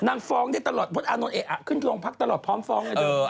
นางฟองได้ตลอดพลอันนนท์เอกอ่ะขึ้นที่โรงพรรคตลอดพร้อมฟองไอ้เดี๋ยว